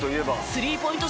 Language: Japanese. スリーポイント